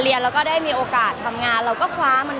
มันเป็นเรื่องน่ารักที่เวลาเจอกันเราต้องแซวอะไรอย่างเงี้ย